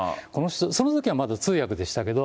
そのときはまだ通訳でしたけど。